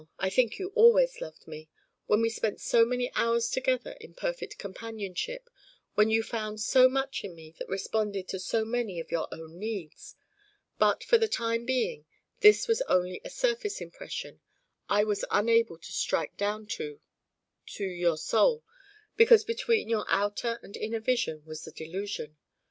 I think you always loved me when we spent so many hours together in perfect companionship when you found so much in me that responded to so many of your own needs. But for the time being this was only a surface impression. It was unable to strike down to to your soul, because between your outer and inner vision was the delusion.